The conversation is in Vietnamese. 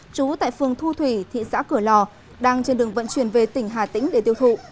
trú tại phường thu thủy thị xã cửa lò đang trên đường vận chuyển về tỉnh hà tĩnh để tiêu thụ